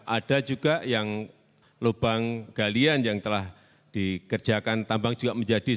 ada juga yang lubang galian yang telah dikerjakan tambang juga menjadi satu